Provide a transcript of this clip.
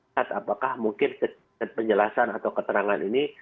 lihat apakah mungkin penjelasan atau keterangan ini